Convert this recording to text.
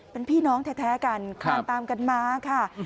เป็นพี่น้องแท้กันตามกันมาค่ะ